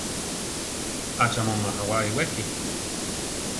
¿Acha mu majawá iwéki?